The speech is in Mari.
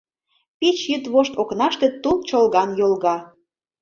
Пич йӱдвошт окнаште Тул чолган йолга.